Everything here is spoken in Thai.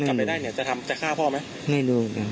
ไม่รู้กันค่ะไม่รู้